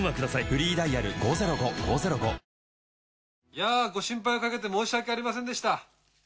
やぁご心配かけて申しわけありませんでした。